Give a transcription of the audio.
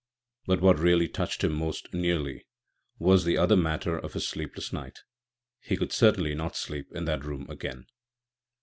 But what really touched him most nearly was the other matter of his sleepless night. He could certainly not sleep in that room again.